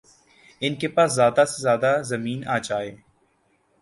ان کے پاس زیادہ سے زیادہ زمین آجائے